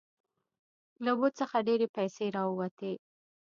له بت څخه ډیرې پیسې راوتې.